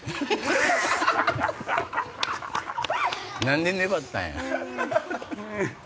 何で粘ったんや？